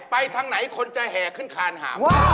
ไปทางไหนคนจะแห่ขึ้นคานหาม